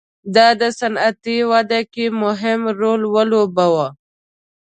دا د صنعتي وده کې مهم رول ولوباوه.